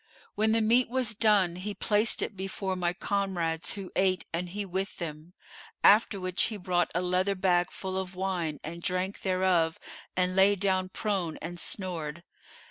When the meat was done, he placed it before my comrades who ate and he with them; after which he brought a leather bag full of wine and drank thereof and lay down prone and snored.